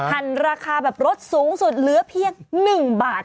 หั่นราคาแบบรถสูงสุดเหลือเพียง๑บาท